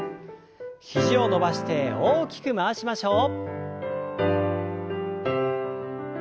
肘を伸ばして大きく回しましょう。